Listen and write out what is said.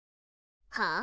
はあ？